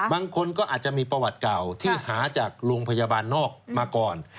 บางคนก็อาจจะมีประวัติเก่าที่หาจากโรงพยาบาลนอกมาก่อน